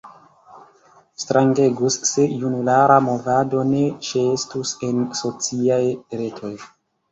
Strangegus se junulara movado ne ĉeestus en sociaj retoj.